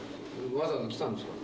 わざわざ来たんですか？